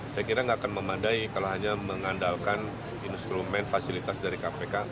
saya kira nggak akan memadai kalau hanya mengandalkan instrumen fasilitas dari kpk